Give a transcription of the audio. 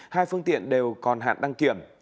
hai phương tiện đều còn hạn đăng kiểm